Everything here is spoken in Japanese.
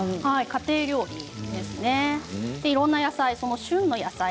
家庭料理です。